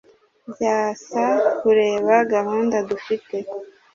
Byasa kureba gahunda dufite